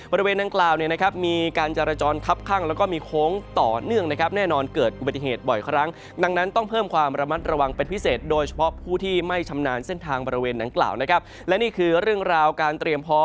บริเวณจังหวัดประจุบติฑิกัณฑ์